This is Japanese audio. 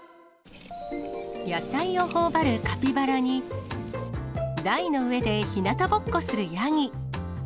野菜をほおばるカピバラに、台の上でひなたぼっこするヤギ。